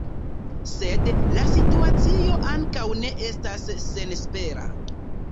Sed la situacio ankaŭ ne estas senespera.